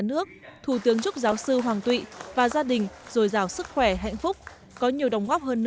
nước thủ tướng chúc giáo sư hoàng tụy và gia đình dồi dào sức khỏe hạnh phúc có nhiều đồng góp hơn